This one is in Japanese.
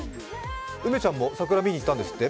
梅ちゃんも桜、見に行ったんですって？